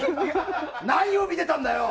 何を見てたんだよ！